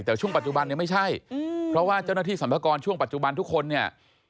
แต่ช่วงปัจจุบันเนี่ยไม่ใช่เพราะว่าเจ้าหน้าที่สรรพากรช่วงปัจจุบันทุกคนเนี่ย